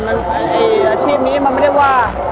อาชีพนี้มันไม่ได้ว่า